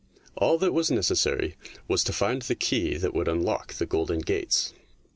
All that was necessary was to find the key that would unlock the golden gates.